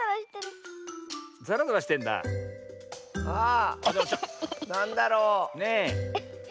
あなんだろう？ねえ。